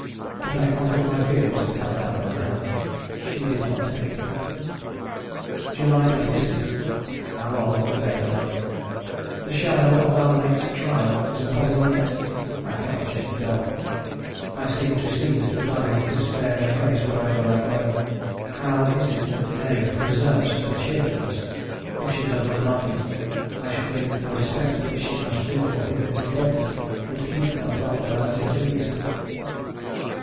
But I conquered my feelings and held out my hand. She did not take it. "July 26. How long the days are! The shadow of our late trial is upon me yet; I cannot shake it off. I seem to see Mr. Clavering's despairing face wherever I go. How is it that Mary preserves her cheerfulness? If she does not love him, I should think the respect which she must feel for his disappointment would keep her from levity at least.